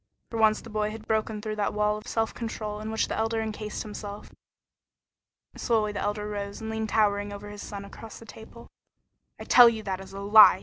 For once the boy had broken through that wall of self control in which the Elder encased himself. Slowly the Elder rose and leaned towering over his son across the table. "I tell you that is a lie!"